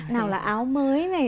nào là áo mới này